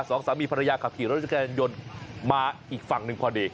สองสามีภรรยาขับขี่รถจักรยานยนต์มาอีกฝั่งหนึ่งพอดี